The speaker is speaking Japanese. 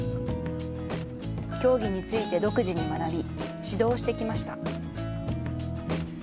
競技について独自に学び、指導してきました。